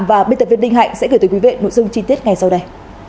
và biên tập viên đinh hạnh sẽ gửi tới quý vị nội dung chi tiết ngay sau đây